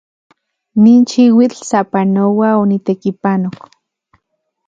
Nin xiuitl sapanoa onitekipanok.